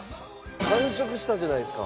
完食したじゃないですか。